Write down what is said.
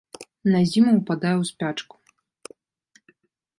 На зіму ўпадае ў спячку.